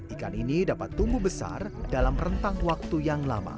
ikan ini dapat tumbuh besar dalam rentang waktu yang lama